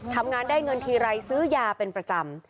ทำงานได้เงินทีไรซื้อยาเป็นประจำ